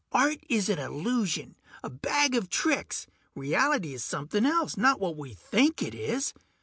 "Art is an illusion, a bag of tricks. Reality is something else, not what we think it is.